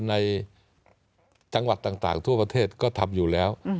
ในจังหวัดต่างทั่วประเทศก็ทำอยู่แล้ว